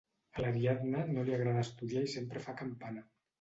A l'Ariadna no li agrada estudiar i sempre fa campana: